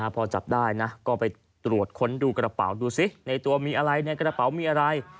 พอจับได้นะก็ไปตรวจค้นดูกระเป๋าดูสิในตัวมีอะไรในกระเป๋ามีอะไร